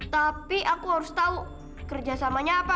tapi aku harus tahu kerjasamanya apa